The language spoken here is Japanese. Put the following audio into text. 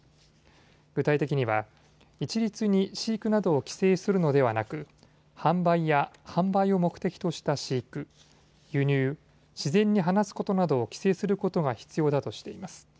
具体的には一律に飼育などを規制するのではなく、販売や販売を目的とした飼育、輸入、自然に放つことなどを規制することが必要だとしています。